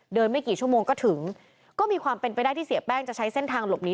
ไม่กี่ชั่วโมงก็ถึงก็มีความเป็นไปได้ที่เสียแป้งจะใช้เส้นทางหลบหนี